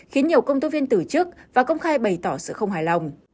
khiến nhiều công tố viên tử chức và công khai bày tỏ sự không hài lòng